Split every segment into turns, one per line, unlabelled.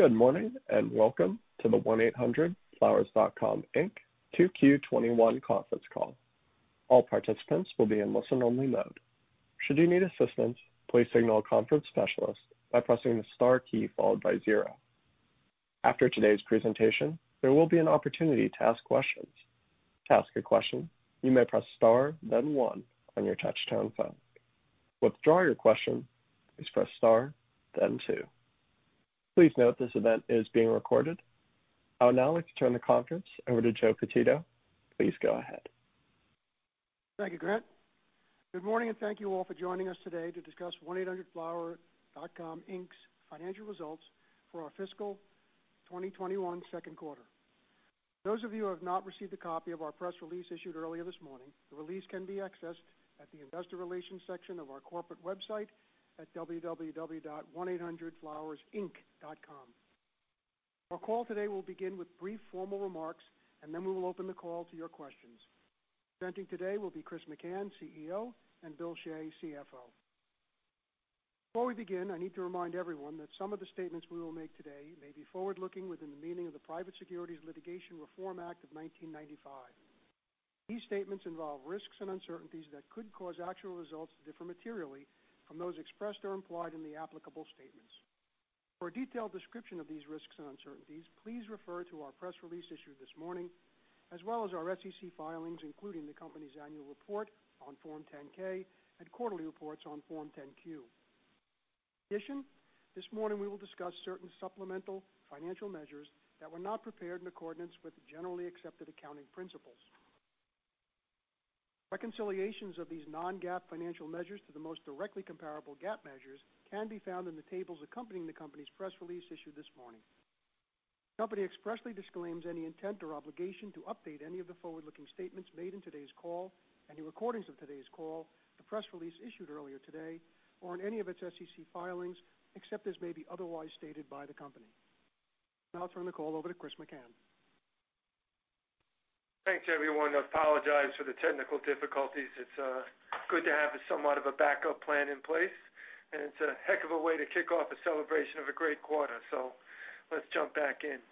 Good morning, and welcome to the 1-800-FLOWERS.COM, Inc. 2Q21 conference call. All participants will be in listen-only mode. Should you need assistance, please signal a conference specialist by pressing the star key followed by zero. After today's presentation, there will be an opportunity to ask questions. To ask a question, you may press star then one on your touch-tone phone. To withdraw your question, please press star then two. Please note this event is being recorded. I would now like to turn the conference over to Joe Pititto. Please go ahead.
Thank you, Grant. Good morning, thank you all for joining us today to discuss 1-800-FLOWERS.COM, Inc.'s financial results for our fiscal 2021 second quarter. Those of you who have not received a copy of our press release issued earlier this morning, the release can be accessed at the investor relations section of our corporate website at www.1800flowersinc.com. Our call today will begin with brief formal remarks, then we will open the call to your questions. Presenting today will be Chris McCann, CEO, and Bill Shea, CFO. Before we begin, I need to remind everyone that some of the statements we will make today may be forward-looking within the meaning of the Private Securities Litigation Reform Act of 1995. These statements involve risks and uncertainties that could cause actual results to differ materially from those expressed or implied in the applicable statements. For a detailed description of these risks and uncertainties, please refer to our press release issued this morning, as well as our SEC filings, including the company's annual report on Form 10-K and quarterly reports on Form 10-Q. In addition, this morning, we will discuss certain supplemental financial measures that were not prepared in accordance with generally accepted accounting principles. Reconciliations of these non-GAAP financial measures to the most directly comparable GAAP measures can be found in the tables accompanying the company's press release issued this morning. The company expressly disclaims any intent or obligation to update any of the forward-looking statements made in today's call and your recordings of today's call, the press release issued earlier today, or in any of its SEC filings, except as may be otherwise stated by the company. I'll now turn the call over to Chris McCann.
Thanks, everyone. I apologize for the technical difficulties. It's good to have somewhat of a backup plan in place, and it's a heck of a way to kick off a celebration of a great quarter. Let's jump back in.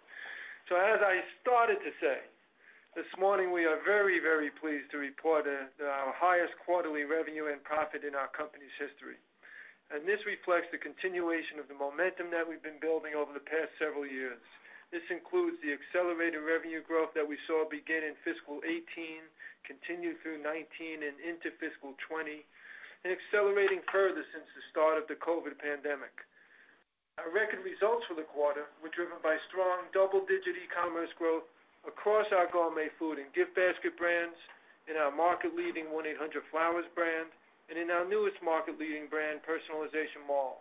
As I started to say, this morning we are very, very pleased to report our highest quarterly revenue and profit in our company's history. This reflects the continuation of the momentum that we've been building over the past several years. This includes the accelerated revenue growth that we saw begin in fiscal 2018, continue through 2019 and into fiscal 2020, and accelerating further since the start of the COVID pandemic. Our record results for the quarter were driven by strong double-digit e-commerce growth across our gourmet food and gift basket brands, in our market-leading 1-800-Flowers brand, and in our newest market-leading brand, Personalization Mall.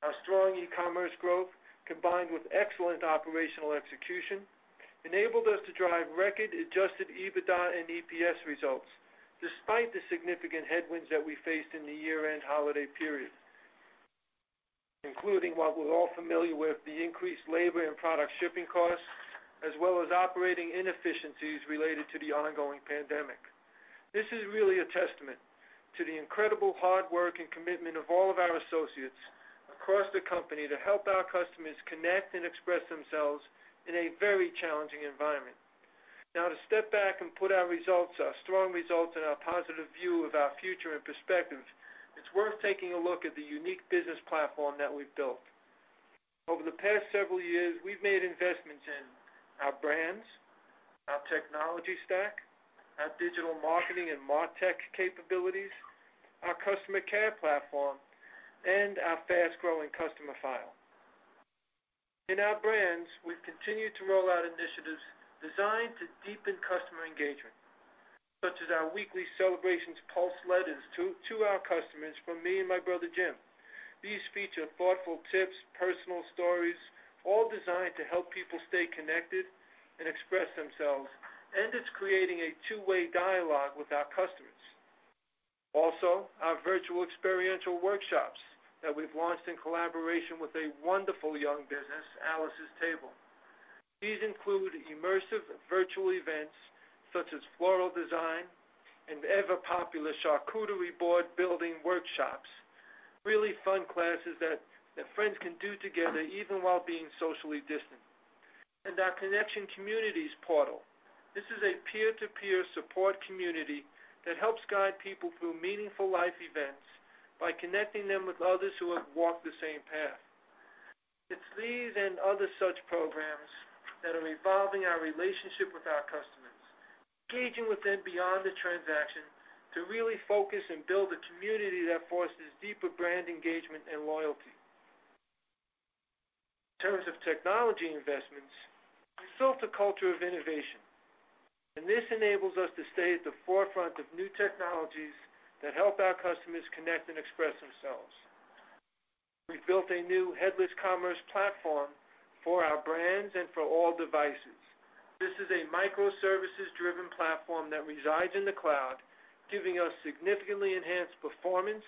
Our strong e-commerce growth, combined with excellent operational execution, enabled us to drive record-adjusted EBITDA and EPS results, despite the significant headwinds that we faced in the year-end holiday period, including what we're all familiar with, the increased labor and product shipping costs, as well as operating inefficiencies related to the ongoing pandemic. This is really a testament to the incredible hard work and commitment of all of our associates across the company to help our customers connect and express themselves in a very challenging environment. To step back and put our strong results and our positive view of our future in perspective, it's worth taking a look at the unique business platform that we've built. Over the past several years, we've made investments in our brands, our technology stack, our digital marketing and MarTech capabilities, our customer care platform, and our fast-growing customer file. In our brands, we've continued to roll out initiatives designed to deepen customer engagement, such as our weekly Celebrations Pulse letters to our customers from me and my brother Jim. These feature thoughtful tips, personal stories, all designed to help people stay connected and express themselves. It's creating a two-way dialogue with our customers. Also, our virtual experiential workshops that we've launched in collaboration with a wonderful young business, Alice's Table. These include immersive virtual events such as floral design and ever-popular charcuterie board building workshops, really fun classes that friends can do together even while being socially distant. Our Connection Communities portal. This is a peer-to-peer support community that helps guide people through meaningful life events by connecting them with others who have walked the same path. It's these and other such programs that are evolving our relationship with our customers, engaging with them beyond the transaction to really focus and build a community that fosters deeper brand engagement and loyalty. In terms of technology investments, we've built a culture of innovation, this enables us to stay at the forefront of new technologies that help our customers connect and express themselves. We've built a new headless commerce platform for our brands and for all devices. This is a microservices-driven platform that resides in the cloud, giving us significantly enhanced performance,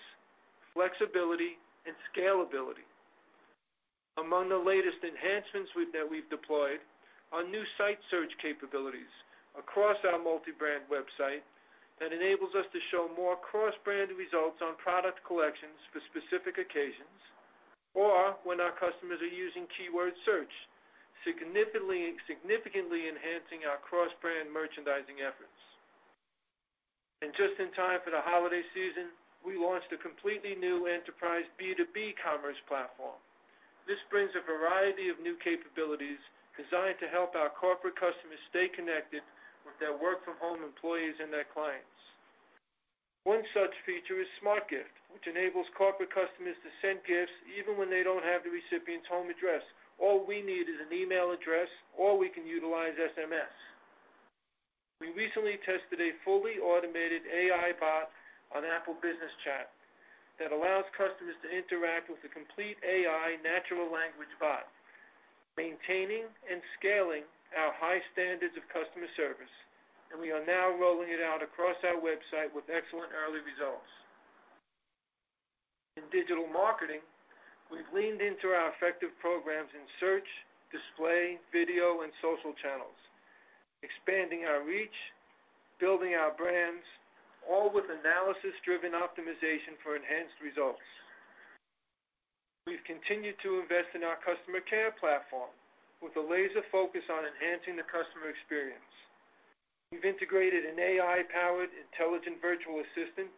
flexibility, and scalability. Among the latest enhancements that we've deployed. Our new site search capabilities across our multi-brand website that enables us to show more cross-brand results on product collections for specific occasions or when our customers are using keyword search, significantly enhancing our cross-brand merchandising efforts. Just in time for the holiday season, we launched a completely new enterprise B2B commerce platform. This brings a variety of new capabilities designed to help our corporate customers stay connected with their work from home employees and their clients. One such feature is SmartGift, which enables corporate customers to send gifts even when they don't have the recipient's home address. All we need is an email address, or we can utilize SMS. We recently tested a fully automated AI bot on Apple Business Chat that allows customers to interact with the complete AI natural language bot, maintaining and scaling our high standards of customer service, and we are now rolling it out across our website with excellent early results. In digital marketing, we've leaned into our effective programs in search, display, video, and social channels, expanding our reach, building our brands, all with analysis-driven optimization for enhanced results. We've continued to invest in our customer care platform with a laser focus on enhancing the customer experience. We've integrated an AI-powered intelligent virtual assistant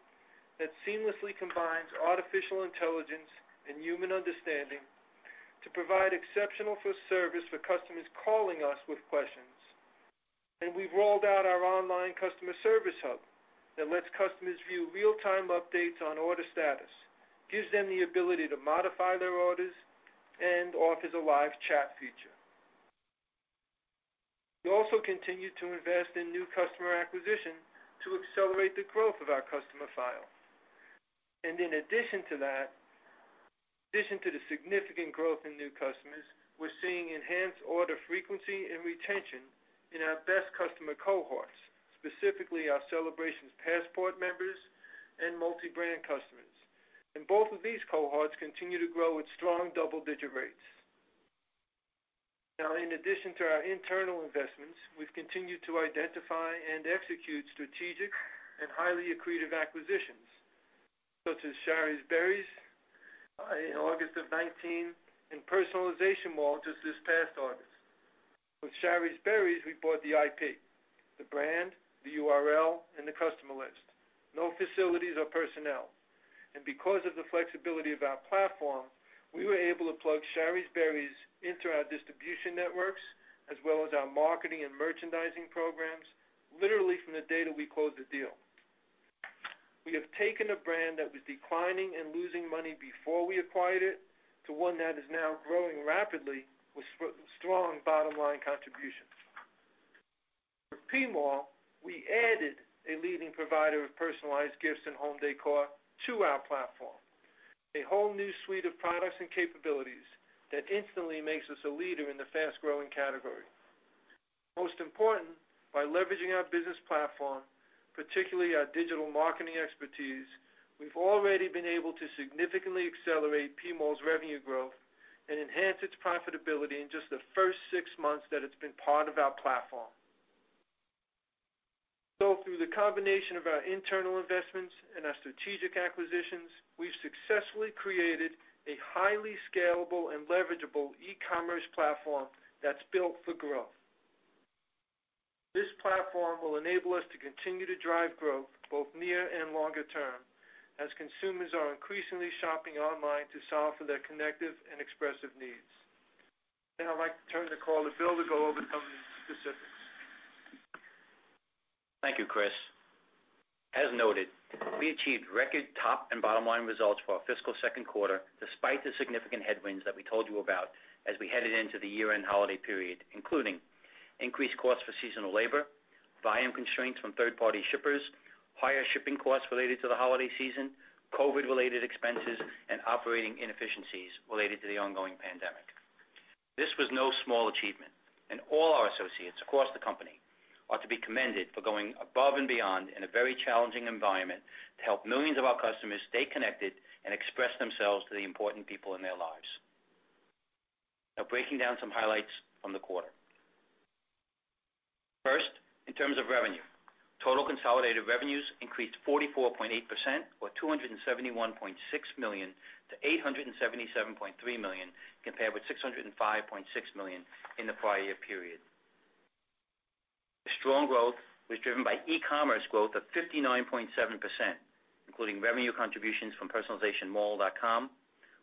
that seamlessly combines artificial intelligence and human understanding to provide exceptional service for customers calling us with questions. We've rolled out our online customer service hub that lets customers view real-time updates on order status, gives them the ability to modify their orders, and offers a live chat feature. We also continue to invest in new customer acquisition to accelerate the growth of our customer file. In addition to the significant growth in new customers, we're seeing enhanced order frequency and retention in our best customer cohorts, specifically our Celebrations Passport members and multi-brand customers. Both of these cohorts continue to grow at strong double-digit rates. In addition to our internal investments, we've continued to identify and execute strategic and highly accretive acquisitions, such as Shari's Berries in August of 2019, and PersonalizationMall.com just this past August. With Shari's Berries, we bought the IP, the brand, the URL, and the customer list, no facilities or personnel. Because of the flexibility of our platform, we were able to plug Shari's Berries into our distribution networks as well as our marketing and merchandising programs, literally from the day that we closed the deal. We have taken a brand that was declining and losing money before we acquired it, to one that is now growing rapidly with strong bottom-line contributions. With PMall, we added a leading provider of personalized gifts and home décor to our platform, a whole new suite of products and capabilities that instantly makes us a leader in the fast-growing category. Most important, by leveraging our business platform, particularly our digital marketing expertise, we've already been able to significantly accelerate PMall's revenue growth and enhance its profitability in just the first six months that it's been part of our platform. Through the combination of our internal investments and our strategic acquisitions, we've successfully created a highly scalable and leverageable e-commerce platform that's built for growth. This platform will enable us to continue to drive growth both near and longer term as consumers are increasingly shopping online to solve for their connective and expressive needs. I'd like to turn the call to Bill to go over company specifics.
Thank you, Chris. As noted, we achieved record top and bottom line results for our fiscal second quarter, despite the significant headwinds that we told you about as we headed into the year-end holiday period, including increased costs for seasonal labor, volume constraints from third-party shippers, higher shipping costs related to the holiday season, COVID-related expenses, and operating inefficiencies related to the ongoing pandemic. This was no small achievement, and all our associates across the company are to be commended for going above and beyond in a very challenging environment to help millions of our customers stay connected and express themselves to the important people in their lives. Breaking down some highlights from the quarter. First, in terms of revenue, total consolidated revenues increased 44.8%, or $271.6 million to $877.3 million, compared with $605.6 million in the prior year period. The strong growth was driven by e-commerce growth of 59.7%, including revenue contributions from PersonalizationMall.com,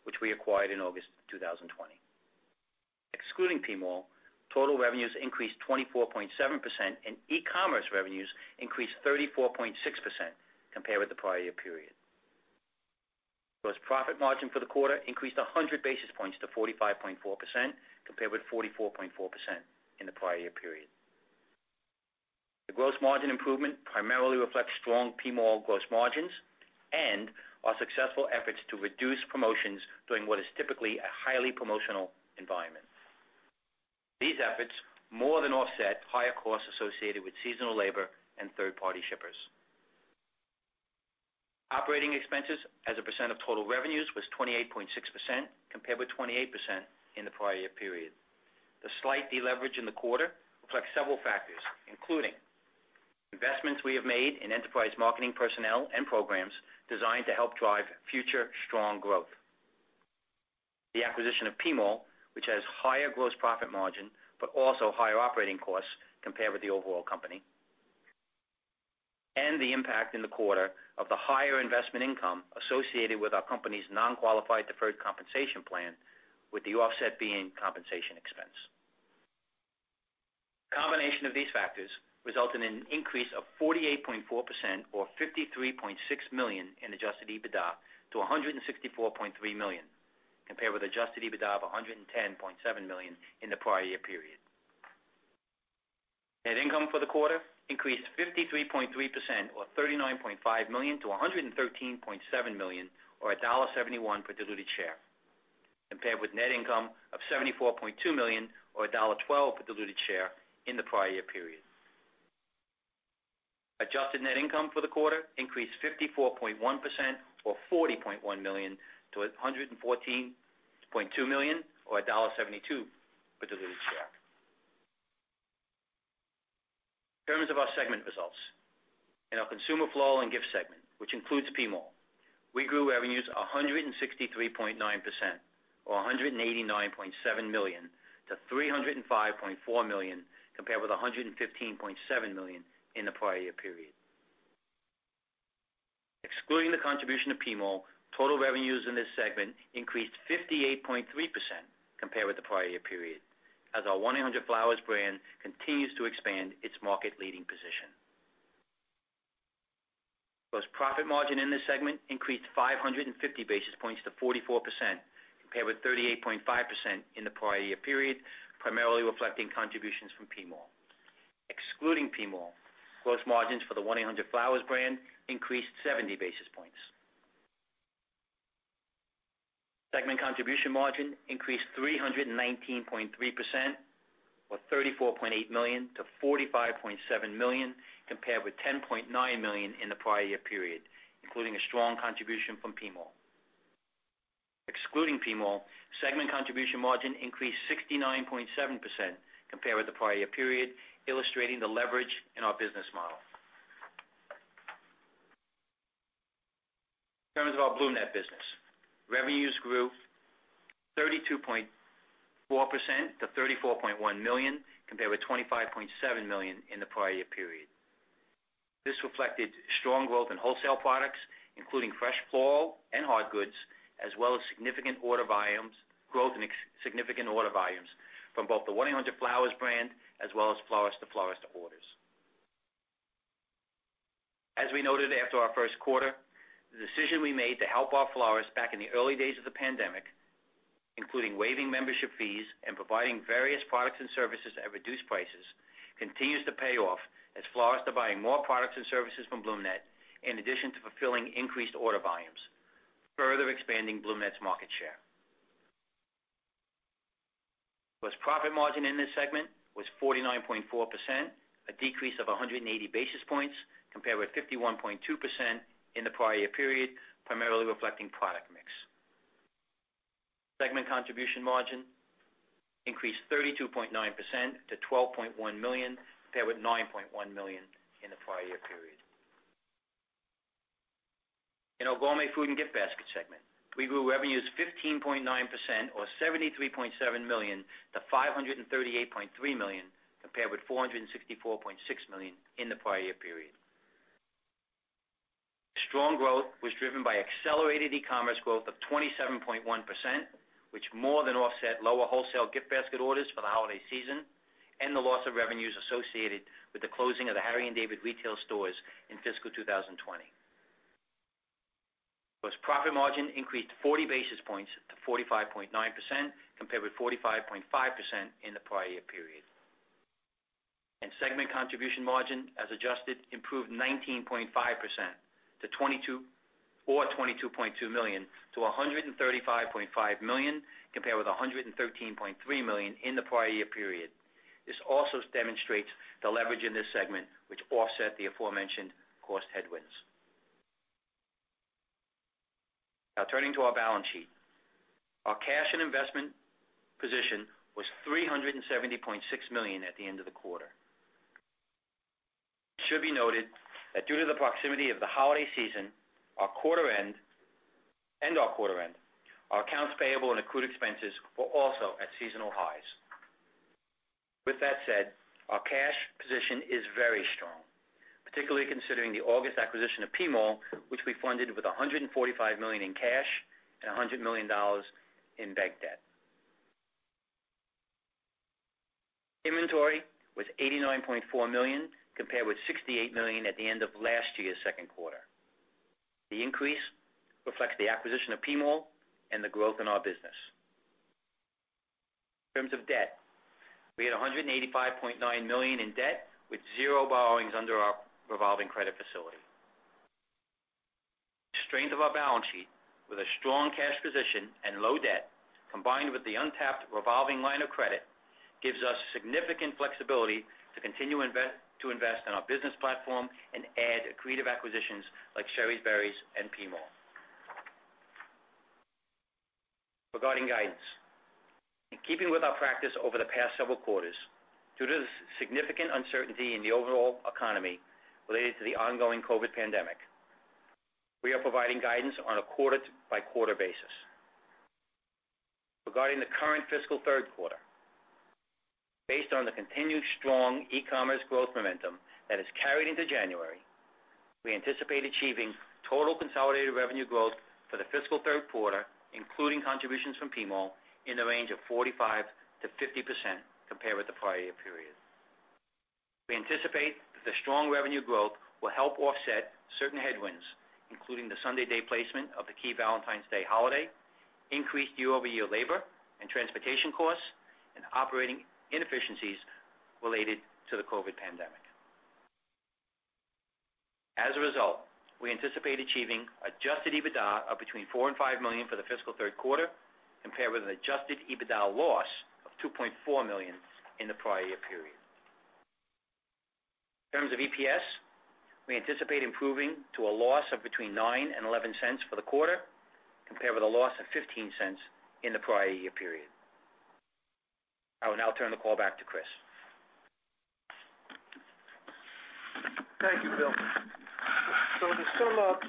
which we acquired in August 2020. Excluding PMall, total revenues increased 24.7%, and e-commerce revenues increased 34.6% compared with the prior year period. Gross profit margin for the quarter increased 100 basis points to 45.4%, compared with 44.4% in the prior year period. The gross margin improvement primarily reflects strong PMall gross margins and our successful efforts to reduce promotions during what is typically a highly promotional environment. These efforts more than offset higher costs associated with seasonal labor and third-party shippers. Operating expenses as a percent of total revenues was 28.6% compared with 28% in the prior year period. The slight deleverage in the quarter reflects several factors, including investments we have made in enterprise marketing personnel and programs designed to help drive future strong growth. The acquisition of PMall, which has higher gross profit margin but also higher operating costs compared with the overall company. The impact in the quarter of the higher investment income associated with our company's non-qualified deferred compensation plan, with the offset being compensation expense. Combination of these factors resulted in an increase of 48.4% or $53.6 million in adjusted EBITDA to $164.3 million, compared with adjusted EBITDA of $110.7 million in the prior year period. Net income for the quarter increased 53.3% or $39.5 million to $113.7 million or $1.71 per diluted share, compared with net income of $74.2 million or $1.12 per diluted share in the prior year period. Adjusted net income for the quarter increased 54.1% or $40.1 million to $114.2 million or $1.72 per diluted share. In terms of our segment results. In our Consumer Floral and Gift segment, which includes PMall, we grew revenues 163.9% or $189.7 million to $305.4 million, compared with $115.7 million in the prior year period. Excluding the contribution of PMall, total revenues in this segment increased 58.3% compared with the prior year period, as our 1-800-FLOWERS brand continues to expand its market-leading position. Gross profit margin in this segment increased 550 basis points to 44%, compared with 38.5% in the prior year period, primarily reflecting contributions from PMall. Excluding PMall, gross margins for the 1-800-FLOWERS brand increased 70 basis points. Segment contribution margin increased 319.3% or $34.8 million to $45.7 million, compared with $10.9 million in the prior year period, including a strong contribution from PMall. Excluding PMall, segment contribution margin increased 69.7% compared with the prior year period, illustrating the leverage in our business model. In terms of our BloomNet business, revenues grew 32.4% to $34.1 million, compared with $25.7 million in the prior year period. This reflected strong growth in wholesale products, including fresh floral and hard goods, as well as growth and significant order volumes from both the 1-800-FLOWERS brand as well as florist-to-florist orders. As we noted after our first quarter, the decision we made to help our florists back in the early days of the pandemic, including waiving membership fees and providing various products and services at reduced prices, continues to pay off as florists are buying more products and services from BloomNet, in addition to fulfilling increased order volumes, further expanding BloomNet's market share. Gross profit margin in this segment was 49.4%, a decrease of 180 basis points compared with 51.2% in the prior year period, primarily reflecting product mix. Segment contribution margin increased 32.9% to $12.1 million, compared with $9.1 million in the prior year period. In our Gourmet Food and Gift Baskets segment, we grew revenues 15.9% or $73.7 million to $538.3 million, compared with $464.6 million in the prior year period. Strong growth was driven by accelerated e-commerce growth of 27.1%, which more than offset lower wholesale gift basket orders for the holiday season and the loss of revenues associated with the closing of the Harry & David retail stores in fiscal 2020. Gross profit margin increased 40 basis points to 45.9%, compared with 45.5% in the prior year period. Segment contribution margin, as adjusted, improved 19.5% or $22.2 million to $135.5 million, compared with $113.3 million in the prior year period. This also demonstrates the leverage in this segment, which offset the aforementioned cost headwinds. Now turning to our balance sheet. Our cash and investment position was $370.6 million at the end of the quarter. It should be noted that due to the proximity of the holiday season, our quarter end, our accounts payable and accrued expenses were also at seasonal highs. With that said, our cash position is very strong, particularly considering the August acquisition of PMall, which we funded with $145 million in cash and $100 million in bank debt. Inventory was $89.4 million, compared with $68 million at the end of last year's second quarter. The increase reflects the acquisition of PMall and the growth in our business. In terms of debt, we had $185.9 million in debt with zero borrowings under our revolving credit facility. The strength of our balance sheet, with a strong cash position and low debt, combined with the untapped revolving line of credit gives us significant flexibility to continue to invest in our business platform and add accretive acquisitions like Shari's Berries and PMall. Regarding guidance. In keeping with our practice over the past several quarters, due to the significant uncertainty in the overall economy related to the ongoing COVID pandemic, we are providing guidance on a quarter-by-quarter basis. Regarding the current fiscal third quarter, based on the continued strong e-commerce growth momentum that has carried into January, we anticipate achieving total consolidated revenue growth for the fiscal third quarter, including contributions from PMall, in the range of 45%-50% compared with the prior year period. We anticipate that the strong revenue growth will help offset certain headwinds, including the Sunday day placement of the key Valentine's Day holiday, increased year-over-year labor and transportation costs, and operating inefficiencies related to the COVID pandemic. As a result, we anticipate achieving adjusted EBITDA of between $4 million and $5 million for the fiscal third quarter compared with an adjusted EBITDA loss of $2.4 million in the prior year period. In terms of EPS, we anticipate improving to a loss of between $0.09 and $0.11 for the quarter, compared with a loss of $0.15 in the prior year period. I will now turn the call back to Chris.
Thank you, Bill. To sum up,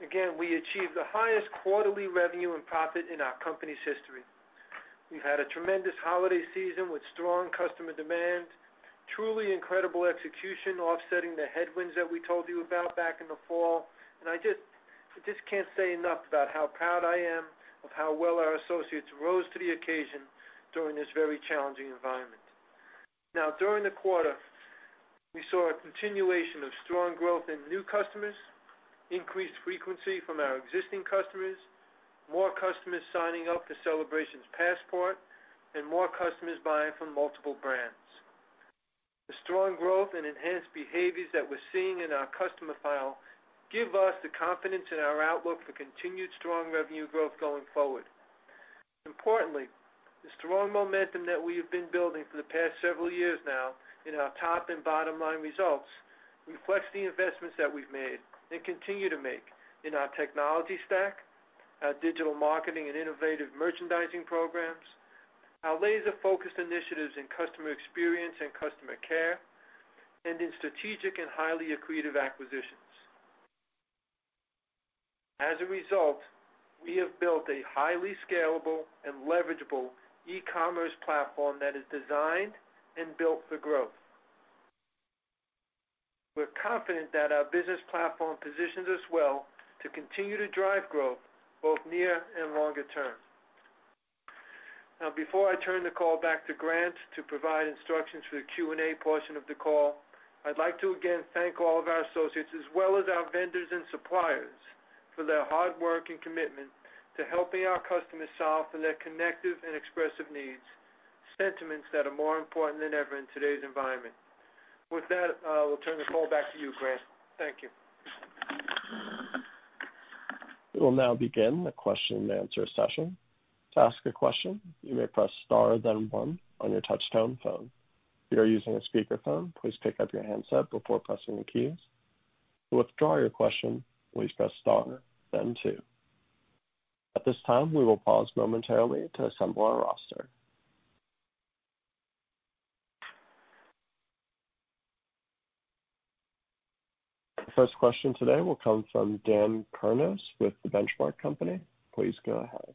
again, we achieved the highest quarterly revenue and profit in our company's history. We had a tremendous holiday season with strong customer demand, truly incredible execution offsetting the headwinds that we told you about back in the fall, and I just can't say enough about how proud I am of how well our associates rose to the occasion during this very challenging environment. During the quarter, we saw a continuation of strong growth in new customers, increased frequency from our existing customers, more customers signing up to Celebrations Passport, and more customers buying from multiple brands. The strong growth and enhanced behaviors that we're seeing in our customer file give us the confidence in our outlook for continued strong revenue growth going forward. The strong momentum that we have been building for the past several years now in our top and bottom line results reflects the investments that we've made and continue to make in our technology stack, our digital marketing and innovative merchandising programs, our laser-focused initiatives in customer experience and customer care, and in strategic and highly accretive acquisitions. We have built a highly scalable and leverageable e-commerce platform that is designed and built for growth. We're confident that our business platform positions us well to continue to drive growth both near and longer term. Before I turn the call back to Grant to provide instructions for the Q&A portion of the call, I'd like to again thank all of our associates, as well as our vendors and suppliers for their hard work and commitment to helping our customers solve for their connective and expressive needs, sentiments that are more important than ever in today's environment. With that, I will turn the call back to you, Grant. Thank you.
We will now begin the question and answer session. To ask a question, you may press star then one on your touchtone phone. If you are using a speakerphone, please pick up your handset before pressing the keys. To withdraw your question, please press star then two. At this time, we will pause momentarily to assemble our roster. First question today will come from Dan Kurnos with The Benchmark Company. Please go ahead.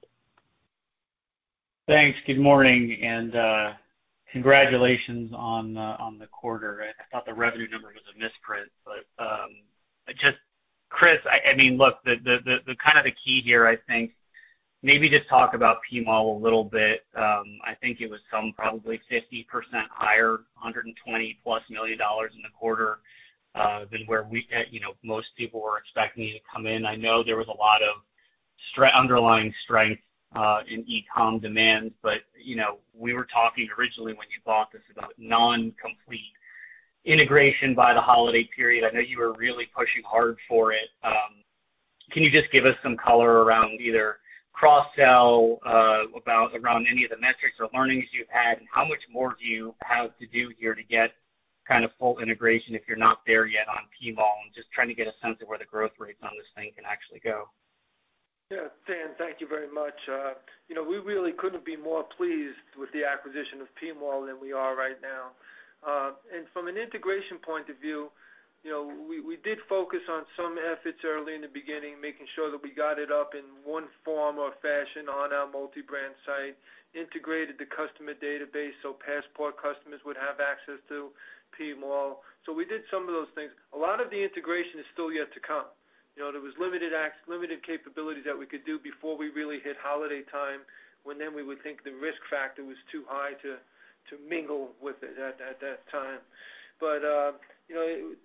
Thanks. Good morning, congratulations on the quarter. I thought the revenue number was a misprint. Just, Chris, look, the kind of the key here, I think, maybe just talk about PMall a little bit. I think it was some probably 50% higher, $120-plus million in the quarter, than where most people were expecting you to come in. I know there was a lot of underlying strength in e-com demands, we were talking originally when you bought this about non-complete integration by the holiday period. I know you were really pushing hard for it. Can you just give us some color around either cross-sell, about around any of the metrics or learnings you've had, and how much more do you have to do here to get kind of full integration if you're not there yet on PMall? I'm just trying to get a sense of where the growth rates on this thing can actually go.
Yeah. Dan, thank you very much. We really couldn't be more pleased with the acquisition of PMall than we are right now. From an integration point of view, we did focus on some efforts early in the beginning, making sure that we got it up in one form or fashion on our multi-brand site, integrated the customer database so Passport customers would have access to PMall. We did some of those things. A lot of the integration is still yet to come. There was limited capabilities that we could do before we really hit holiday time, when then we would think the risk factor was too high to mingle with it at that time. The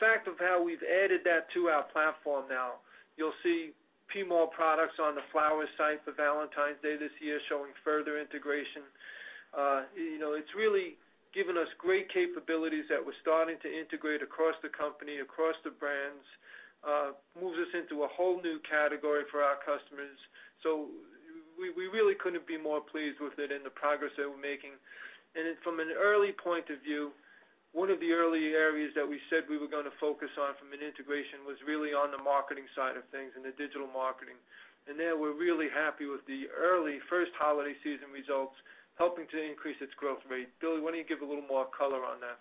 fact of how we've added that to our platform now, you'll see PMall products on the flower site for Valentine's Day this year, showing further integration. It's really given us great capabilities that we're starting to integrate across the company, across the brands, moves us into a whole new category for our customers. We really couldn't be more pleased with it and the progress that we're making. From an early point of view, one of the early areas that we said we were going to focus on from an integration was really on the marketing side of things and the digital marketing. There, we're really happy with the early first holiday season results helping to increase its growth rate. Bill, why don't you give a little more color on that?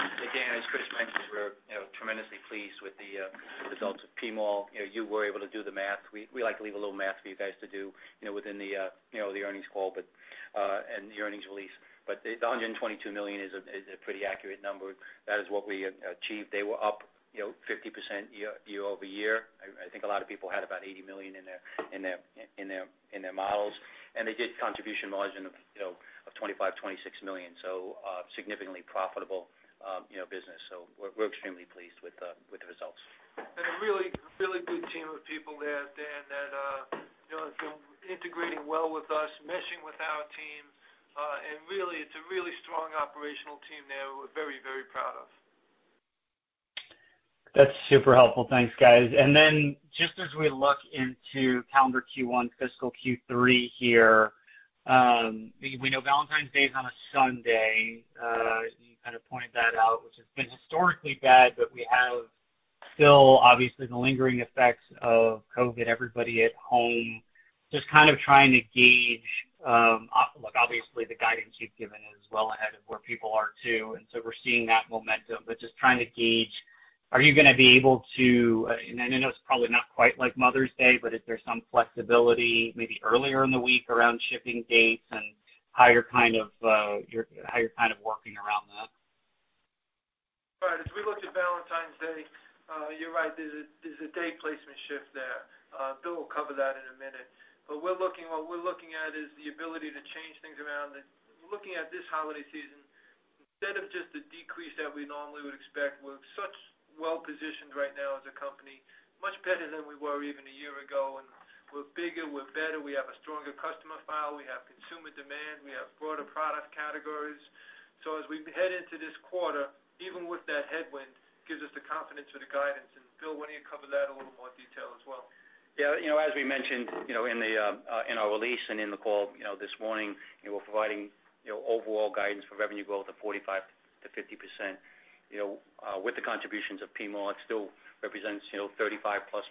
Dan, as Chris mentioned, we're tremendously pleased with the results of PMall. You were able to do the math. We like to leave a little math for you guys to do within the earnings call and the earnings release. The $122 million is a pretty accurate number. That is what we achieved. They were up 50% year-over-year. I think a lot of people had about $80 million in their models, and they did contribution margin of $25 million-$26 million. Significantly profitable business. We're extremely pleased with the results.
A really good team of people there, Dan, that have been integrating well with us, meshing with our team. Really, it's a really strong operational team there we're very proud of.
That's super helpful. Thanks, guys. Just as we look into calendar Q1, fiscal Q3 here, we know Valentine's Day is on a Sunday. You kind of pointed that out, which has been historically bad, but we have still, obviously, the lingering effects of COVID, everybody at home. Obviously, the guidance you've given is well ahead of where people are, too, and so we're seeing that momentum. Just trying to gauge, are you going to be able to, and I know it's probably not quite like Mother's Day, but is there some flexibility maybe earlier in the week around shipping dates and how you're kind of working around that?
Right. As we looked at Valentine's Day, you're right, there's a day placement shift there. Bill will cover that in a minute. What we're looking at is the ability to change things around. Looking at this holiday season, instead of just the decrease that we normally would expect, we're such well-positioned right now as a company, much better than we were even a year ago. We're bigger, we're better, we have a stronger customer file, we have consumer demand, we have broader product categories. As we head into this quarter, even with that headwind, gives us the confidence for the guidance. Bill, why don't you cover that in a little more detail as well?
Yeah. As we mentioned in our release and in the call this morning, we're providing overall guidance for revenue growth of 45%-50%. With the contributions of PMall, it still represents 35% plus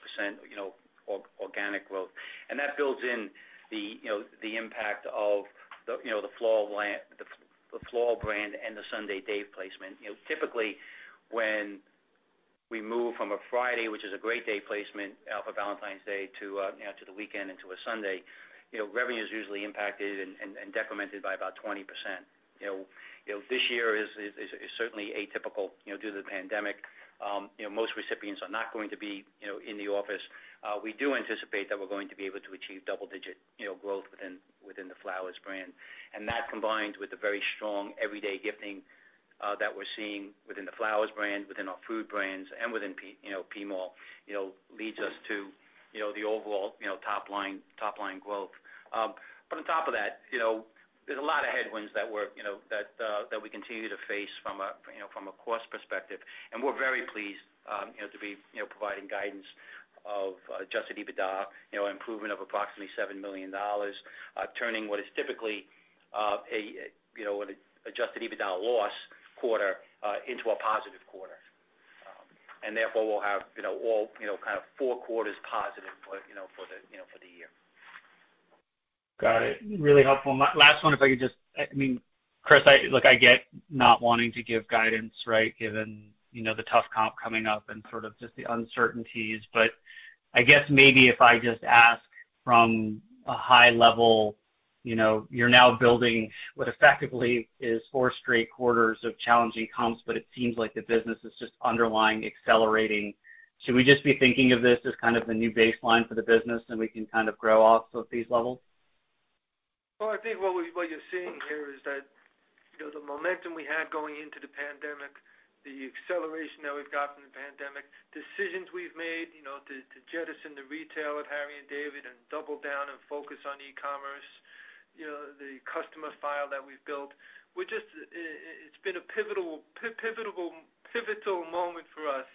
organic growth. That builds in the impact of the floral brand and the Sunday day placement. Typically, when we move from a Friday, which is a great day placement for Valentine's Day to the weekend into a Sunday, revenue is usually impacted and decremented by about 20%. This year is certainly atypical due to the pandemic. Most recipients are not going to be in the office. We do anticipate that we're going to be able to achieve double-digit growth within the flowers brand. That combined with the very strong everyday gifting that we're seeing within the flowers brand, within our food brands, and within PMall leads us to the overall top line growth. On top of that, there's a lot of headwinds that we continue to face from a cost perspective, we're very pleased to be providing guidance of adjusted EBITDA improvement of approximately $7 million, turning what is typically an adjusted EBITDA loss quarter into a positive quarter. Therefore, we'll have four quarters positive for the year.
Got it. Really helpful. Last one, if I could Chris, look, I get not wanting to give guidance, right, given the tough comp coming up and sort of just the uncertainties. I guess maybe if I just ask from a high level, you're now building what effectively is four straight quarters of challenging comps, but it seems like the business is just underlying accelerating. Should we just be thinking of this as kind of the new baseline for the business and we can kind of grow off of these levels?
I think what you're seeing here is that the momentum we had going into the pandemic, the acceleration that we've got from the pandemic, decisions we've made to jettison the retail at Harry & David and double down and focus on e-commerce, the customer file that we've built, it's been a pivotal moment for us,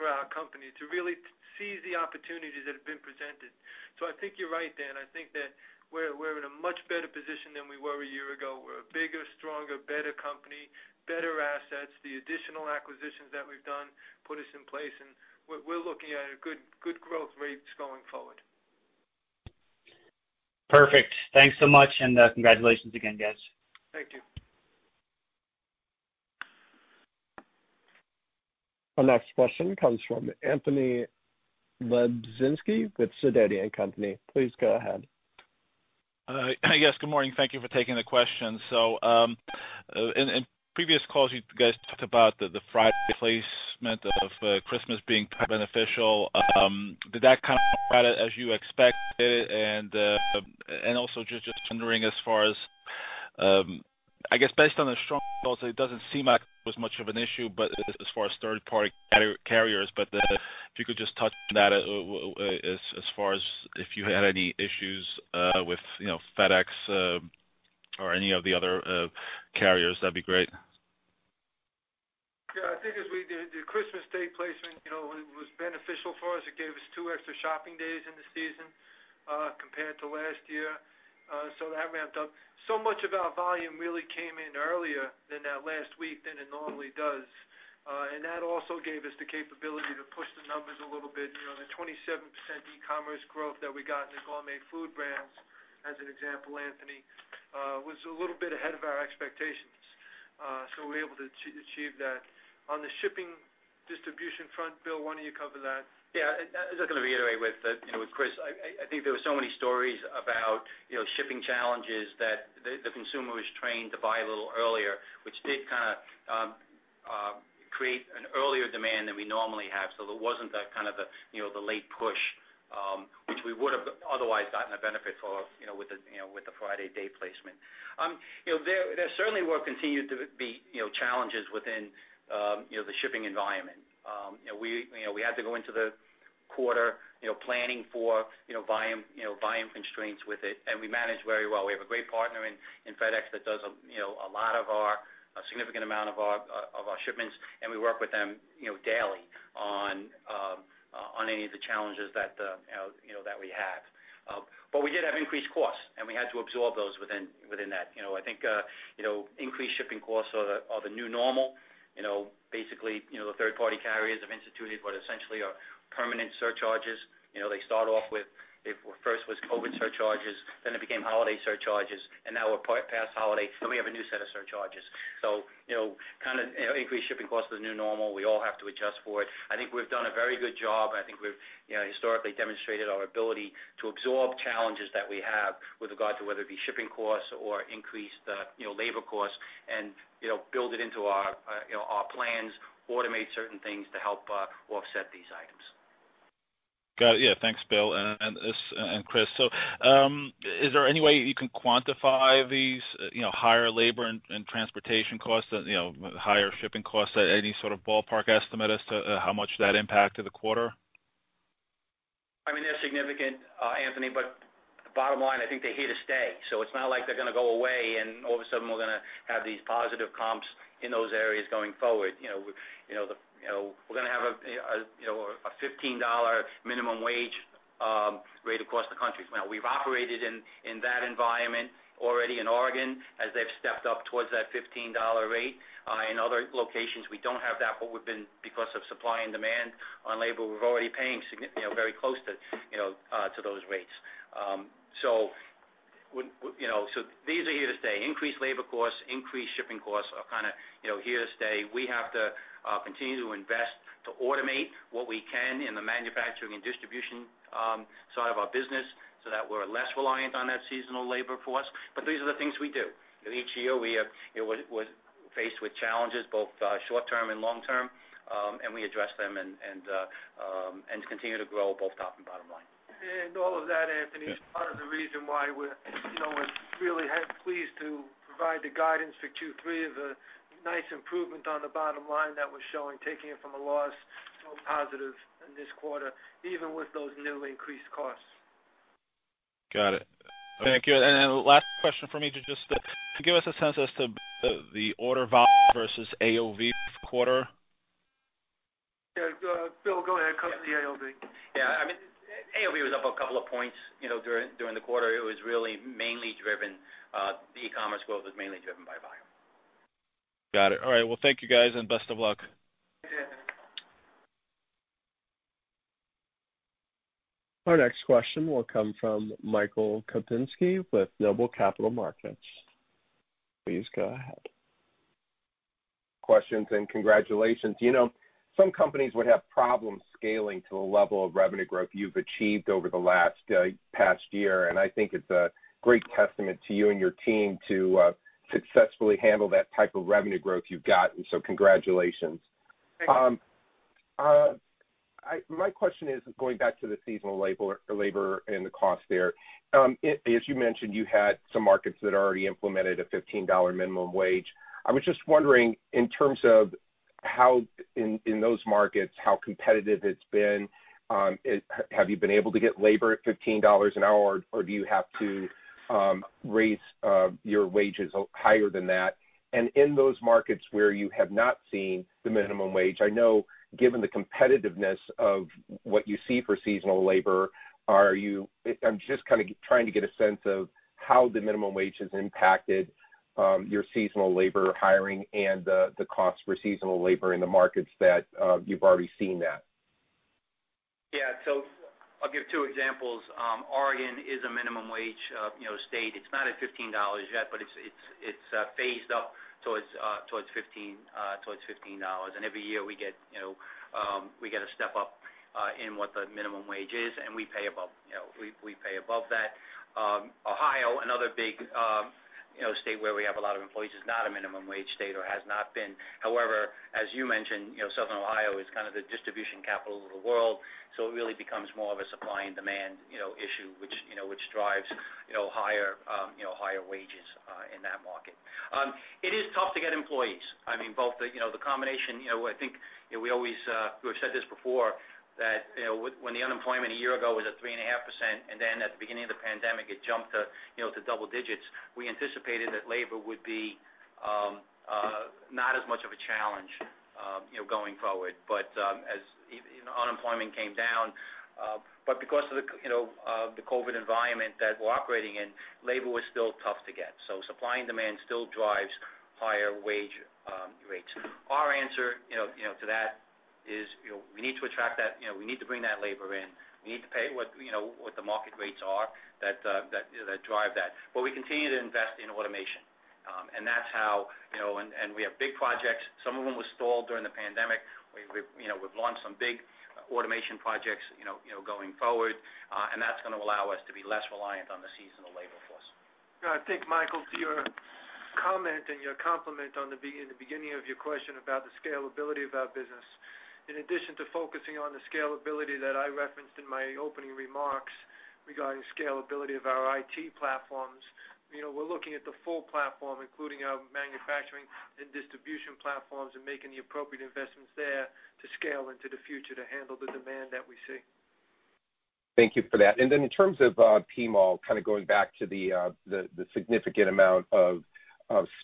for our company to really seize the opportunities that have been presented. I think you're right, Dan Kurnos. I think that we're in a much better position than we were a year ago. We're a bigger, stronger, better company, better assets. The additional acquisitions that we've done put us in place, and we're looking at a good growth rates going forward.
Perfect. Thanks so much, and congratulations again, guys.
Thank you.
Our next question comes from Anthony Lebiedzinski with Sidoti & Company. Please go ahead.
Yes. Good morning. Thank you for taking the question. In previous calls, you guys talked about the Friday placement of Christmas being beneficial. Did that kind of play out as you expected? Also just wondering, as far as I guess based on the strong results, it doesn't seem like it was much of an issue, but as far as third-party carriers. If you could just touch on that, as far as if you had any issues with FedEx or any of the other carriers, that'd be great.
I think as we did the Christmas day placement, it was beneficial for us. It gave us two extra shopping days in the season compared to last year. That ramped up. Much of our volume really came in earlier than that last week than it normally does. That also gave us the capability to push the numbers a little bit. The 27% e-commerce growth that we got in the gourmet food brands, as an example, Anthony, was a little bit ahead of our expectations. We were able to achieve that. On the shipping distribution front, Bill, why don't you cover that?
Yeah. I was going to reiterate with Chris, I think there were so many stories about shipping challenges that the consumer was trained to buy a little earlier, which did kind of create an earlier demand than we normally have. There wasn't that kind of the late push, which we would've otherwise gotten the benefit of with the Friday day placement. There certainly will continue to be challenges within the shipping environment. We had to go into the quarter planning for volume constraints with it, and we managed very well. We have a great partner in FedEx that does a significant amount of our shipments, and we work with them daily on any of the challenges that we have. We did have increased costs, and we had to absorb those within that. I think increased shipping costs are the new normal. The third party carriers have instituted what essentially are permanent surcharges. They start off with, first was COVID surcharges, then it became holiday surcharges. Now we're past holiday, we have a new set of surcharges. Increased shipping costs is the new normal. We all have to adjust for it. I think we've done a very good job. I think we've historically demonstrated our ability to absorb challenges that we have with regard to whether it be shipping costs or increased labor costs and build it into our plans, automate certain things to help offset these items.
Got it. Yeah. Thanks, Bill and Chris. Is there any way you can quantify these higher labor and transportation costs, higher shipping costs? Any sort of ballpark estimate as to how much that impacted the quarter?
They're significant, Anthony, but bottom line, I think they're here to stay. It's not like they're gonna go away and all of a sudden we're gonna have these positive comps in those areas going forward. We're gonna have a $15 minimum wage rate across the country. Now, we've operated in that environment already in Oregon as they've stepped up towards that $15 rate. In other locations, we don't have that, but because of supply and demand on labor, we're already paying very close to those rates. These are here to stay. Increased labor costs, increased shipping costs are here to stay. We have to continue to invest to automate what we can in the manufacturing and distribution side of our business so that we're less reliant on that seasonal labor force. These are the things we do. Each year, we're faced with challenges, both short-term and long-term, and we address them and continue to grow both top and bottom line.
All of that, Anthony, is part of the reason why we're really pleased to provide the guidance for Q3 of a nice improvement on the bottom line that was showing taking it from a loss to a positive in this quarter, even with those new increased costs.
Got it. Thank you. The last question for me to just give us a sense as to the order volume versus AOV quarter.
Yeah. Bill, go ahead. Cover the AOV.
Yeah. AOV was up a couple of points during the quarter. The e-commerce growth was mainly driven by volume.
Got it. All right. Well, thank you guys, and best of luck.
Thanks, Anthony.
Our next question will come from Michael Kupinski with Noble Capital Markets. Please go ahead.
Questions and congratulations. Some companies would have problems scaling to the level of revenue growth you've achieved over the last past year, I think it's a great testament to you and your team to successfully handle that type of revenue growth you've gotten. Congratulations.
Thanks.
My question is going back to the seasonal labor and the cost there. As you mentioned, you had some markets that already implemented a $15 minimum wage. I was just wondering in terms of how in those markets, how competitive it's been. Have you been able to get labor at $15 an hour, or do you have to raise your wages higher than that? In those markets where you have not seen the minimum wage, I know given the competitiveness of what you see for seasonal labor, I'm just trying to get a sense of how the minimum wage has impacted your seasonal labor hiring and the cost for seasonal labor in the markets that you've already seen that.
I'll give two examples. Oregon is a minimum wage state. It's not at $15 yet, but it's phased up towards $15. Every year we get a step up in what the minimum wage is, and we pay above that. Another big state where we have a lot of employees is not a minimum wage state or has not been. However, as you mentioned, Southern Ohio is kind of the distribution capital of the world, so it really becomes more of a supply and demand issue, which drives higher wages in that market. It is tough to get employees. I think we have said this before, that when the unemployment a year ago was at 3.5%, and then at the beginning of the pandemic, it jumped to double digits, we anticipated that labor would be not as much of a challenge going forward. As unemployment came down, but because of the COVID environment that we're operating in, labor was still tough to get. Supply and demand still drives higher wage rates. Our answer to that is we need to bring that labor in. We need to pay what the market rates are that drive that. We continue to invest in automation. We have big projects. Some of them were stalled during the pandemic. We've launched some big automation projects going forward, and that's going to allow us to be less reliant on the seasonal labor force.
No, I think, Michael, to your comment and your compliment in the beginning of your question about the scalability of our business, in addition to focusing on the scalability that I referenced in my opening remarks regarding scalability of our IT platforms, we're looking at the full platform, including our manufacturing and distribution platforms, and making the appropriate investments there to scale into the future to handle the demand that we see.
Thank you for that. In terms of PMall, kind of going back to the significant amount of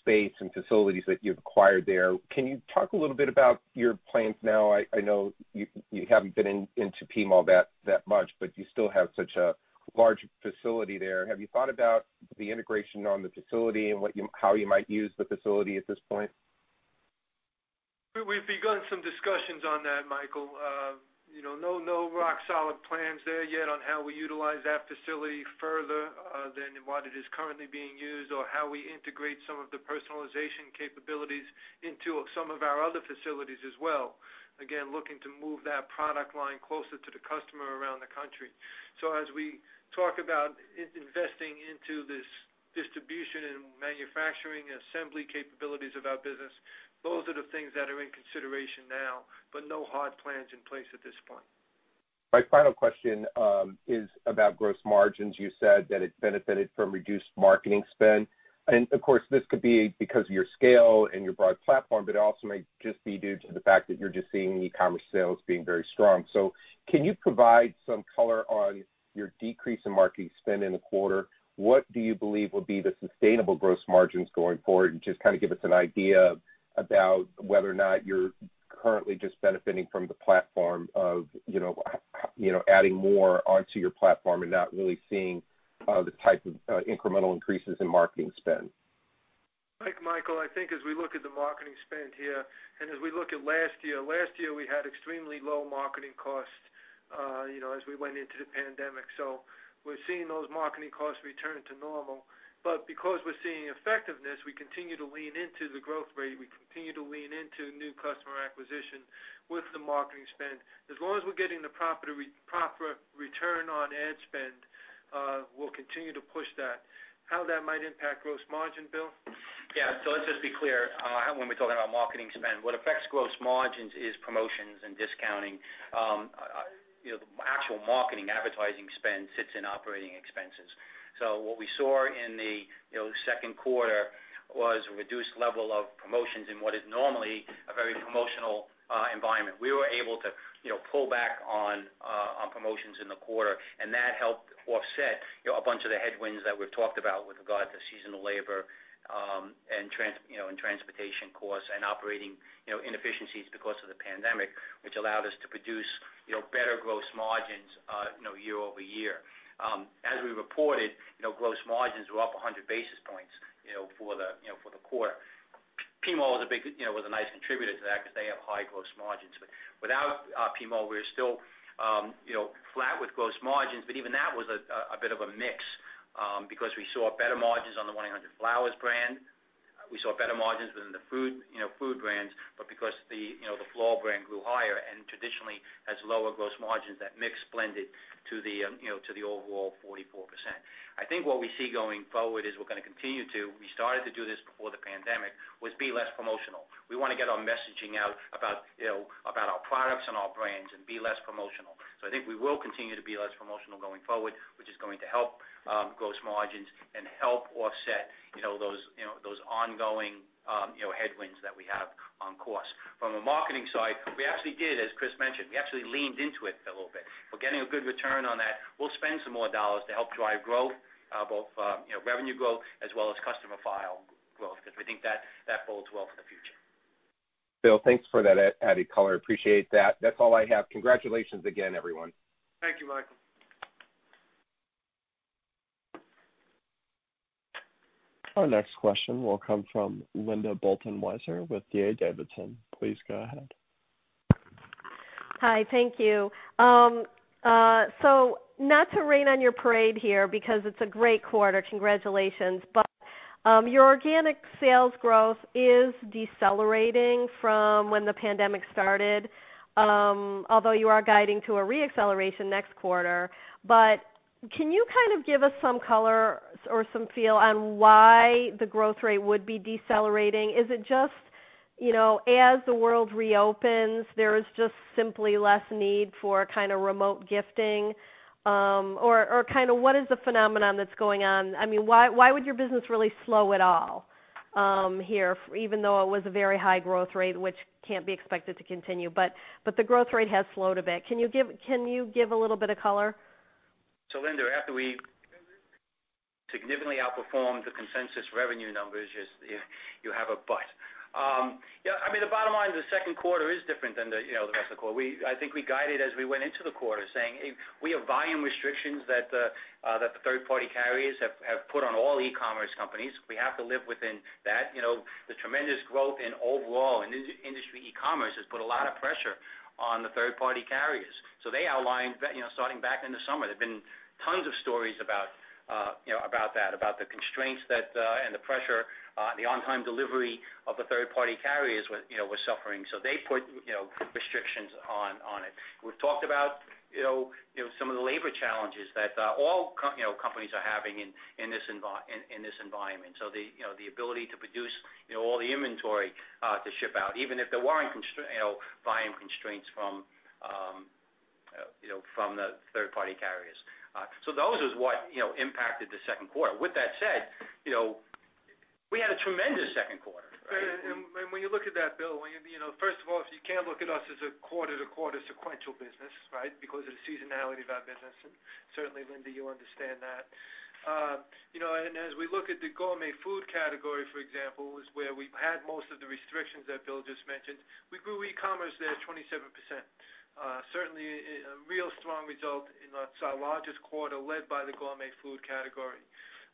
space and facilities that you've acquired there, can you talk a little bit about your plans now? I know you haven't been into PMall that much, but you still have such a large facility there. Have you thought about the integration on the facility and how you might use the facility at this point?
We've begun some discussions on that, Michael. No rock-solid plans there yet on how we utilize that facility further than what it is currently being used or how we integrate some of the personalization capabilities into some of our other facilities as well. Again, looking to move that product line closer to the customer around the country. As we talk about investing into this distribution and manufacturing assembly capabilities of our business, those are the things that are in consideration now, but no hard plans in place at this point.
My final question is about gross margins. You said that it benefited from reduced marketing spend. Of course, this could be because of your scale and your broad platform, but it also may just be due to the fact that you're just seeing e-commerce sales being very strong. Can you provide some color on your decrease in marketing spend in the quarter? What do you believe will be the sustainable gross margins going forward? Just kind of give us an idea about whether or not you're currently just benefiting from the platform of adding more onto your platform and not really seeing the type of incremental increases in marketing spend.
Mike, Michael, I think as we look at the marketing spend here, as we look at last year, we had extremely low marketing costs as we went into the pandemic. We're seeing those marketing costs return to normal. Because we're seeing effectiveness, we continue to lean into the growth rate. We continue to lean into new customer acquisition with the marketing spend. As long as we're getting the proper return on ad spend, we'll continue to push that. How that might impact gross margin, Bill?
Yeah. Let's just be clear when we're talking about marketing spend. What affects gross margins is promotions and discounting. The actual marketing advertising spend sits in operating expenses. What we saw in the second quarter was a reduced level of promotions in what is normally a very promotional environment. We were able to pull back on promotions in the quarter, and that helped offset a bunch of the headwinds that we've talked about with regard to seasonal labor and transportation costs and operating inefficiencies because of the pandemic, which allowed us to produce better gross margins year-over-year. As we reported, gross margins were up 100 basis points for the quarter. PMall was a nice contributor to that because they have high gross margins. Without PMall, we're still flat with gross margins, but even that was a bit of a mix because we saw better margins on the 1-800-Flowers brand. We saw better margins within the food brands, but because the floral brand grew higher and traditionally has lower gross margins, that mix blended to the overall 44%. I think what we see going forward is we're going to continue to, we started to do this before the pandemic, was be less promotional. We want to get our messaging out about our products and our brands and be less promotional. I think we will continue to be less promotional going forward, which is going to help gross margins and help offset those ongoing headwinds that we have on course. From a marketing side, we actually did, as Chris mentioned, we actually leaned into it a little bit. We're getting a good return on that. We'll spend some more dollars to help drive growth, both revenue growth as well as customer file growth, because we think that bodes well for the future.
Bill, thanks for that added color. Appreciate that. That's all I have. Congratulations again, everyone.
Thank you, Michael.
Our next question will come from Linda Bolton Weiser with D.A. Davidson. Please go ahead.
Hi. Thank you. Not to rain on your parade here because it's a great quarter. Congratulations. Your organic sales growth is decelerating from when the pandemic started, although you are guiding to a re-acceleration next quarter. Can you give us some color or some feel on why the growth rate would be decelerating? Is it just as the world reopens, there is just simply less need for remote gifting? What is the phenomenon that's going on? Why would your business really slow at all here, even though it was a very high growth rate, which can't be expected to continue, but the growth rate has slowed a bit. Can you give a little bit of color?
Linda, after we significantly outperformed the consensus revenue numbers, you have a but. The bottom line is the second quarter is different than the rest of the quarter. I think we guided as we went into the quarter saying, we have volume restrictions that the third-party carriers have put on all e-commerce companies. We have to live within that. The tremendous growth in overall industry e-commerce has put a lot of pressure on the third-party carriers. They outlined, starting back in the summer, there've been tons of stories about that, about the constraints and the pressure, the on-time delivery of the third-party carriers was suffering. They put restrictions on it. We've talked about some of the labor challenges that all companies are having in this environment. The ability to produce all the inventory to ship out, even if there weren't volume constraints from the third-party carriers. Those is what impacted the second quarter. With that said, we had a tremendous second quarter, right?
When you look at that, Bill, first of all, you can't look at us as a quarter-to-quarter sequential business, right? Because of the seasonality of our business, and certainly, Linda, you understand that. As we look at the gourmet food category, for example, was where we had most of the restrictions that Bill just mentioned. We grew e-commerce there 27%. Certainly, a real strong result in what's our largest quarter led by the gourmet food category.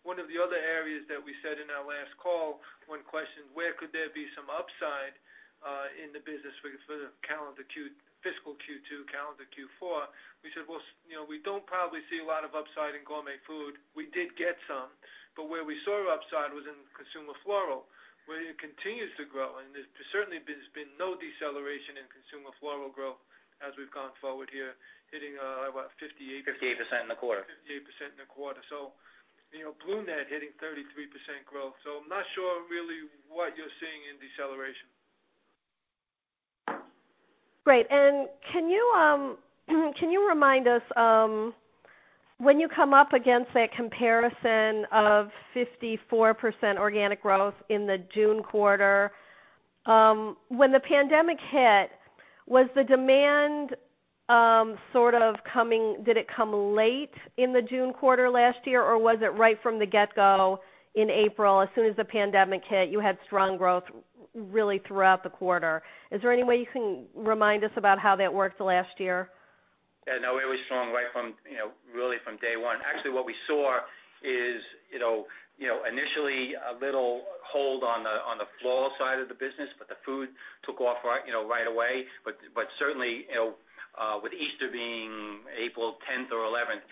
One of the other areas that we said in our last call when questioned where could there be some upside in the business for the fiscal Q2, calendar Q4, we said, "Well, we don't probably see a lot of upside in gourmet food." We did get some, but where we saw upside was in consumer floral, where it continues to grow, and there certainly has been no deceleration in consumer floral growth as we've gone forward here hitting about 58-
58% in the quarter.
58% in the quarter. BloomNet hitting 33% growth. I'm not sure really what you're seeing in deceleration.
Great. Can you remind us when you come up against that comparison of 54% organic growth in the June quarter, when the pandemic hit, was the demand sort of coming, did it come late in the June quarter last year, or was it right from the get-go in April, as soon as the pandemic hit, you had strong growth really throughout the quarter? Is there any way you can remind us about how that worked last year?
Yeah, no, it was strong right from really from day one. Actually, what we saw is, initially, a little hold on the floral side of the business, but the food took off right away. Certainly, with Easter being April 10th or 11th,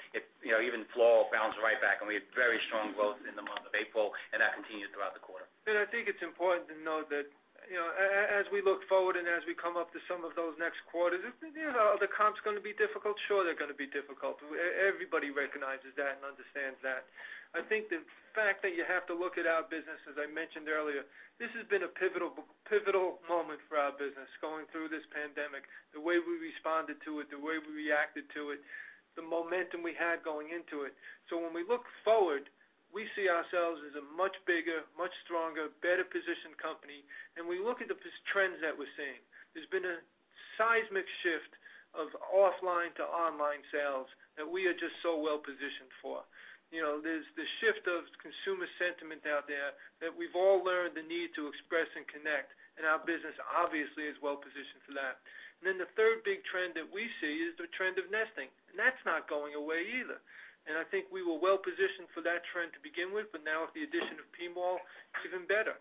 even floral bounced right back, and we had very strong growth in the month of April, and that continued throughout the quarter.
I think it's important to note that as we look forward and as we come up to some of those next quarters, are the comps going to be difficult? Sure, they're going to be difficult. Everybody recognizes that and understands that. I think the fact that you have to look at our business, as I mentioned earlier, this has been a pivotal moment for our business going through this pandemic, the way we responded to it, the way we reacted to it, the momentum we had going into it. When we look forward, we see ourselves as a much bigger, much stronger, better-positioned company, and we look at the trends that we're seeing. There's been a seismic shift of offline to online sales that we are just so well positioned for. There's the shift of consumer sentiment out there that we've all learned the need to express and connect. Our business obviously is well positioned for that. The third big trend that we see is the trend of nesting. That's not going away either. I think we were well positioned for that trend to begin with, but now with the addition of PMall, it's even better.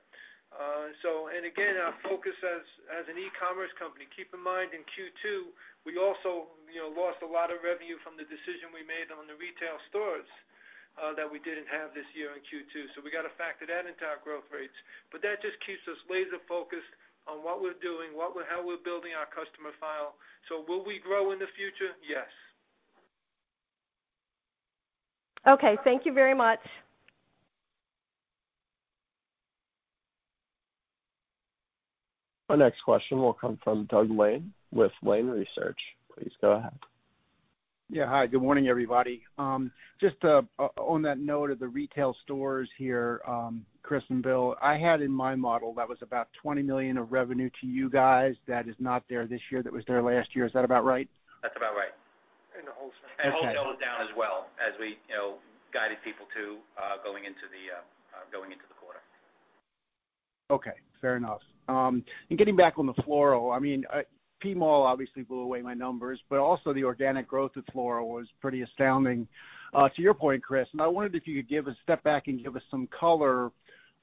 Again, our focus as an e-commerce company, keep in mind in Q2, we also lost a lot of revenue from the decision we made on the retail stores that we didn't have this year in Q2. We got to factor that into our growth rates. That just keeps us laser-focused on what we're doing, how we're building our customer file. Will we grow in the future? Yes.
Okay. Thank you very much.
Our next question will come from Doug Lane with Lane Research. Please go ahead.
Yeah. Hi. Good morning, everybody. Just on that note of the retail stores here, Chris and Bill, I had in my model that was about $20 million of revenue to you guys that is not there this year that was there last year. Is that about right?
That's about right.
The wholesale.
Wholesale was down as well, as we guided people to going into the quarter.
Okay. Fair enough. Getting back on the floral, PMall obviously blew away my numbers, but also the organic growth at floral was pretty astounding. To your point, Chris, I wondered if you could step back and give us some color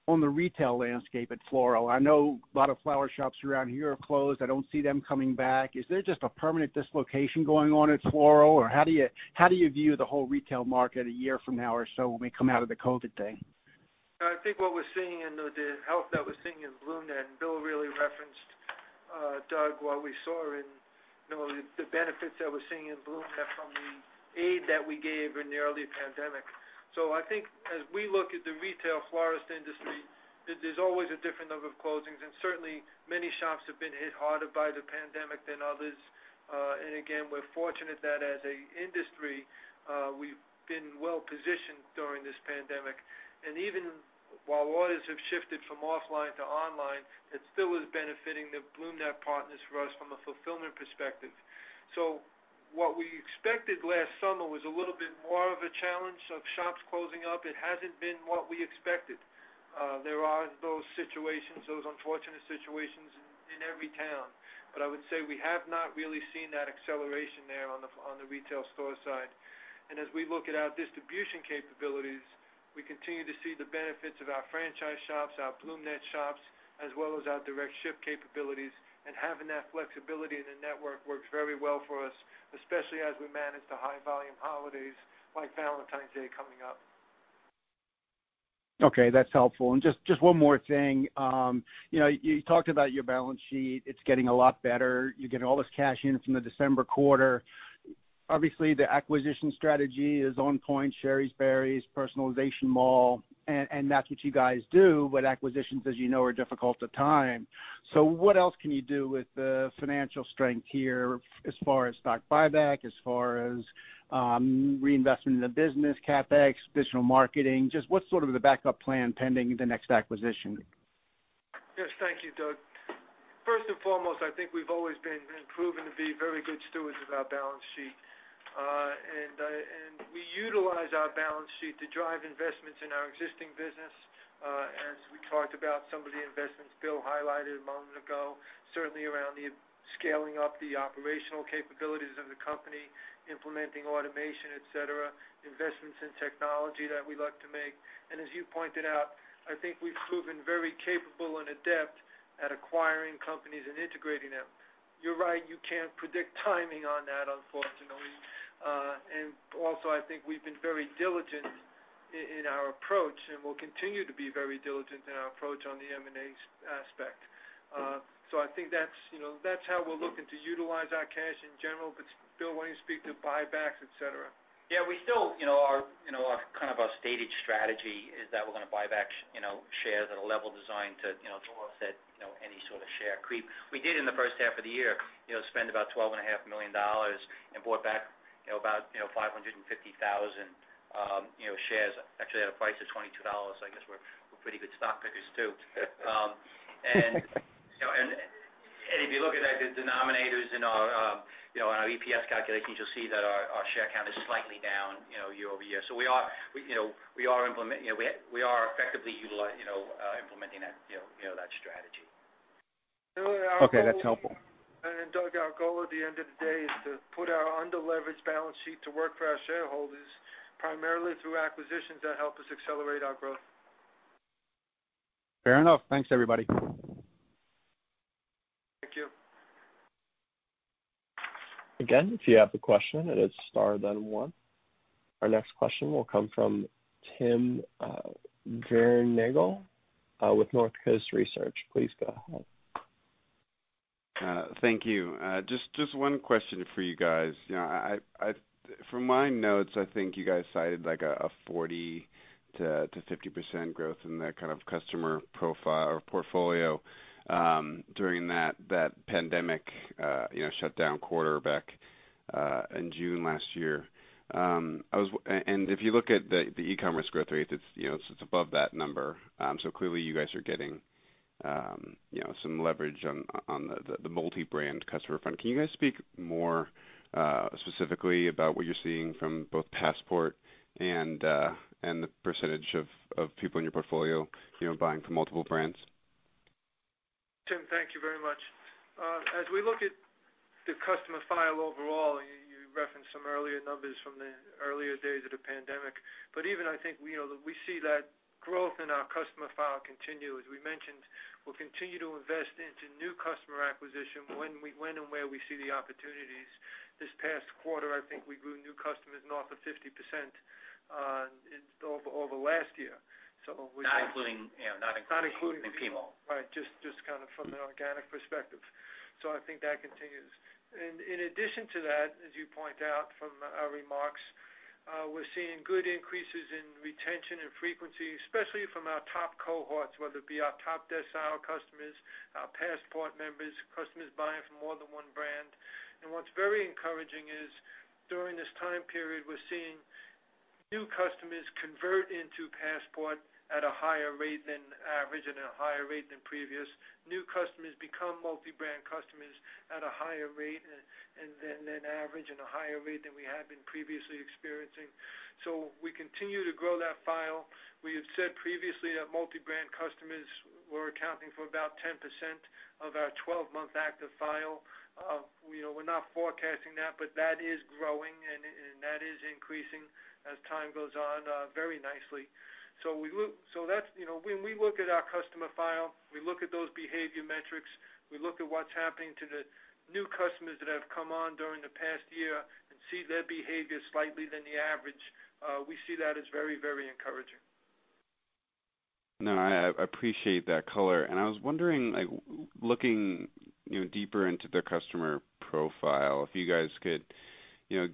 on the retail landscape at floral. I know a lot of flower shops around here are closed. I don't see them coming back. Is there just a permanent dislocation going on at floral, or how do you view the whole retail market a year from now or so when we come out of the COVID thing?
I think what we're seeing and the help that we're seeing in BloomNet, Bill really referenced, Doug, what we saw in the benefits that we're seeing in BloomNet from the aid that we gave in the early pandemic. I think as we look at the retail florist industry, there's always a different number of closings, and certainly many shops have been hit harder by the pandemic than others. Again, we're fortunate that as an industry, we've been well-positioned during this pandemic. Even while orders have shifted from offline to online, it still is benefiting the BloomNet partners for us from a fulfillment perspective. What we expected last summer was a little bit more of a challenge of shops closing up. It hasn't been what we expected. There are those situations, those unfortunate situations in every town. I would say we have not really seen that acceleration there on the retail store side. As we look at our distribution capabilities, we continue to see the benefits of our franchise shops, our BloomNet shops, as well as our direct ship capabilities. Having that flexibility in the network works very well for us, especially as we manage the high volume holidays like Valentine's Day coming up.
Okay, that's helpful. Just one more thing. You talked about your balance sheet, it's getting a lot better. You're getting all this cash in from the December quarter. Obviously, the acquisition strategy is on point, Shari's Berries, Personalization Mall, and that's what you guys do, but acquisitions, as you know, are difficult to time. What else can you do with the financial strength here as far as stock buyback, as far as reinvestment in the business, CapEx, additional marketing? Just what's sort of the backup plan pending the next acquisition?
Yes. Thank you, Doug. First and foremost, I think we've always been proven to be very good stewards of our balance sheet. We utilize our balance sheet to drive investments in our existing business. As we talked about, some of the investments Bill highlighted a moment ago, certainly around the scaling up the operational capabilities of the company, implementing automation, et cetera, investments in technology that we like to make. As you pointed out, I think we've proven very capable and adept at acquiring companies and integrating them. You're right, you can't predict timing on that, unfortunately. Also, I think we've been very diligent in our approach, and we'll continue to be very diligent in our approach on the M&A aspect. I think that's how we're looking to utilize our cash in general. Bill, why don't you speak to buybacks, et cetera?
Yeah, we still, our kind of our stated strategy is that we're going to buy back shares at a level designed to draw any sort of share creep. We did in the first half of the year, spend about $12.5 million and bought back about 550,000 shares, actually, at a price of $22. I guess we're pretty good stock pickers too. If you look at the denominators in our EPS calculations, you'll see that our share count is slightly down year-over-year. We are effectively implementing that strategy.
Okay, that's helpful.
Doug, our goal at the end of the day is to put our under-leveraged balance sheet to work for our shareholders, primarily through acquisitions that help us accelerate our growth.
Fair enough. Thanks, everybody.
Thank you.
Again, if you have a question, it is star, then one. Our next question will come from Tim Vierengel with Northcoast Research. Please go ahead.
Thank you. Just one question for you guys. From my notes, I think you guys cited like a 40%-50% growth in that kind of customer profile or portfolio during that pandemic shutdown quarter back in June last year. If you look at the e-commerce growth rates, it's above that number. Clearly you guys are getting some leverage on the multi-brand customer front. Can you guys speak more specifically about what you're seeing from both Passport and the percentage of people in your portfolio buying from multiple brands?
Tim, thank you very much. As we look at the customer file overall, you referenced some earlier numbers from the earlier days of the pandemic. Even I think we see that growth in our customer file continue. As we mentioned, we'll continue to invest into new customer acquisition when and where we see the opportunities. This past quarter, I think we grew new customers north of 50% over last year.
Not including PMall.
Not including, right, just kind of from an organic perspective. I think that continues. In addition to that, as you point out from our remarks, we're seeing good increases in retention and frequency, especially from our top cohorts, whether it be our top decile customers, our Passport members, customers buying from more than one brand. What's very encouraging is during this time period, we're seeing new customers convert into Passport at a higher rate than average and a higher rate than previous. New customers become multi-brand customers at a higher rate than average and a higher rate than we have been previously experiencing. We continue to grow that file. We have said previously that multi-brand customers were accounting for about 10% of our 12-month active file. We're not forecasting that, but that is growing, and that is increasing as time goes on very nicely. We look at our customer file, we look at those behavior metrics, we look at what's happening to the new customers that have come on during the past year and see their behavior is slightly than the average. We see that as very encouraging.
No, I appreciate that color. I was wondering, looking deeper into the customer profile, if you guys could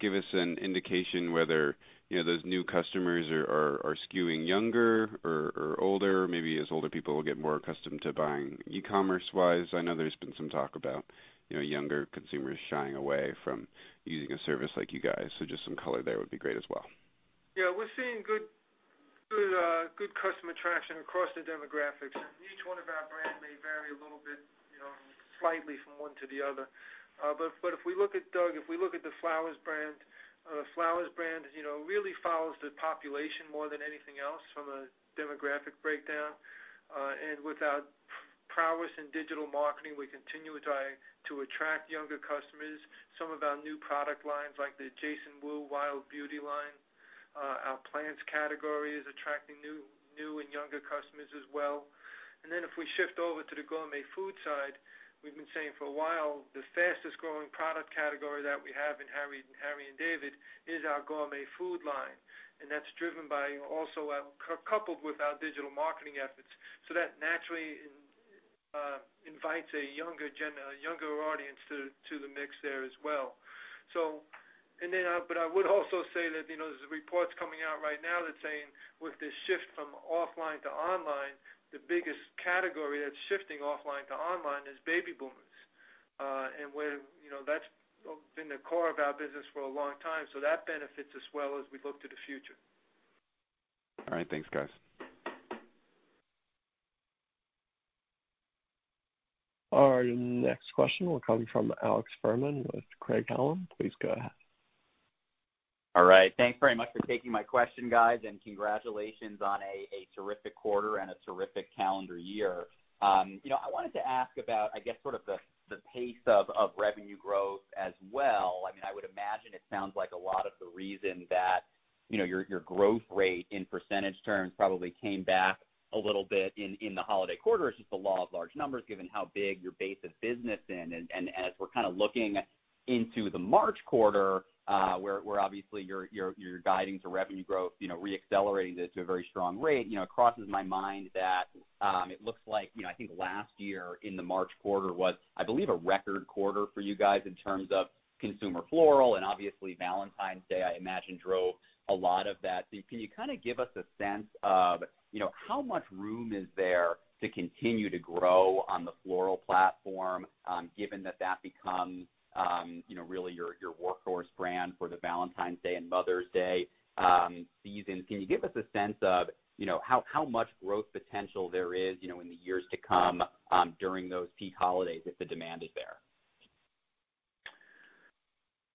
give us an indication whether those new customers are skewing younger or older, maybe as older people get more accustomed to buying e-commerce wise. I know there's been some talk about younger consumers shying away from using a service like you guys. Just some color there would be great as well.
Yeah, we're seeing good customer traction across the demographics, and each one of our brands may vary a little bit, slightly from one to the other. Doug, if we look at the Flowers brand, Flowers brand really follows the population more than anything else from a demographic breakdown. With our prowess in digital marketing, we continue to attract younger customers. Some of our new product lines like the Jason Wu Wild Beauty line, our plants category is attracting new and younger customers as well. If we shift over to the gourmet food side, we've been saying for a while, the fastest-growing product category that we have in Harry & David is our gourmet food line, and that's coupled with our digital marketing efforts. That naturally invites a younger audience to the mix there as well. I would also say that there's reports coming out right now that's saying with this shift from offline to online, the biggest category that's shifting offline to online is baby boomers. That's been the core of our business for a long time, so that benefits as well as we look to the future.
All right. Thanks, guys.
Our next question will come from Alex Fuhrman with Craig-Hallum. Please go ahead.
All right. Thanks very much for taking my question, guys, and congratulations on a terrific quarter and a terrific calendar year. I wanted to ask about, I guess, sort of the pace of revenue growth as well. I would imagine it sounds like a lot of the reason that your growth rate in percentage terms probably came back a little bit in the holiday quarter is just the law of large numbers, given how big your base of business in. As we're kind of looking into the March quarter, where obviously you're guiding to revenue growth, re-accelerating it to a very strong rate, it crosses my mind that it looks like, I think last year in the March quarter was, I believe, a record quarter for you guys in terms of Consumer Floral, and obviously Valentine's Day, I imagine, drove a lot of that. Can you kind of give us a sense of how much room is there to continue to grow on the floral platform, given that that becomes really your workhorse brand for the Valentine's Day and Mother's Day seasons? Can you give us a sense of how much growth potential there is in the years to come during those peak holidays if the demand is there?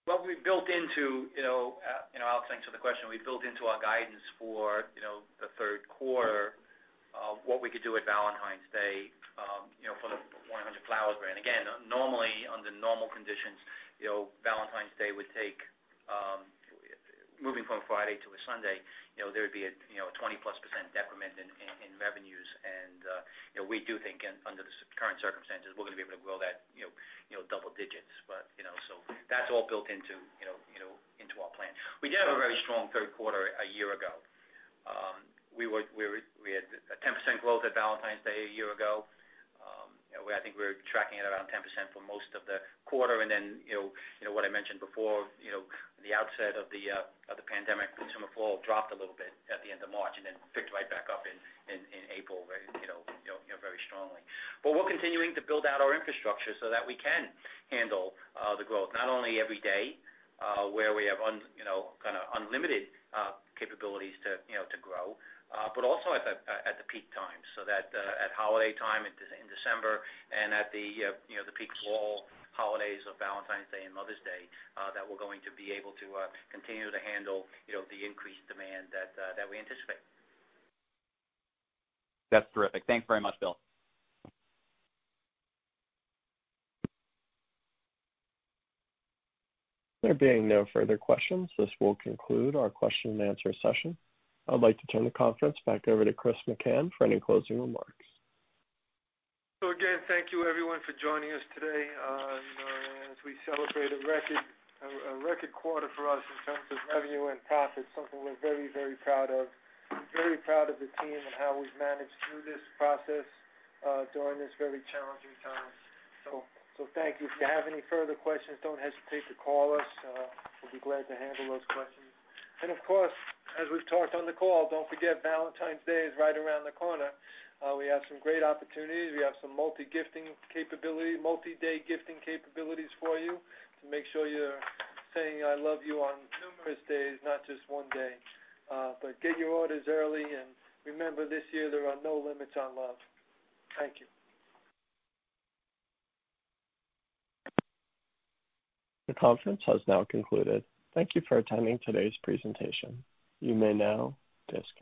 Alex Fuhrman, thanks for the question. We've built into our guidance for the third quarter of what we could do at Valentine's Day for the 1-800-FLOWERS brand. Normally under normal conditions, Valentine's Day would take, moving from a Friday to a Sunday, there would be a 20+% decrement in revenues, and we do think under the current circumstances, we're going to be able to grow that double digits. That's all built into our plan. We did have a very strong third quarter a year ago. We had a 10% growth at Valentine's Day a year ago. I think we were tracking at around 10% for most of the quarter. What I mentioned before, the outset of the pandemic, consumer floral dropped a little bit at the end of March and then picked right back up in April very strongly. We're continuing to build out our infrastructure so that we can handle the growth, not only every day, where we have kind of unlimited capabilities to grow, but also at the peak times, so that at holiday time in December and at the peak floral holidays of Valentine's Day and Mother's Day, that we're going to be able to continue to handle the increased demand that we anticipate.
That's terrific. Thanks very much, Bill.
There being no further questions, this will conclude our question and answer session. I'd like to turn the conference back over to Chris McCann for any closing remarks.
Again, thank you everyone for joining us today. As we celebrate a record quarter for us in terms of revenue and profits, something we're very proud of. Very proud of the team and how we've managed through this process during this very challenging time. Thank you. If you have any further questions, don't hesitate to call us. We'll be glad to handle those questions. Of course, as we've talked on the call, don't forget Valentine's Day is right around the corner. We have some great opportunities. We have some multi-day gifting capabilities for you to make sure you're saying I love you on numerous days, not just one day. Get your orders early, and remember, this year, there are no limits on love. Thank you.
The conference has now concluded. Thank you for attending today's presentation. You may now disconnect.